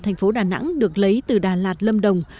gần ba mươi số giống được lấy từ đà nẵng